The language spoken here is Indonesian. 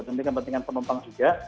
demi kepentingan penumpang juga